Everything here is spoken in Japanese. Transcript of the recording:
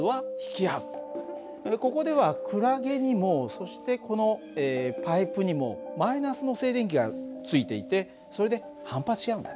ここではクラゲにもそしてこのパイプにもマイナスの静電気がついていてそれで反発し合うんだね。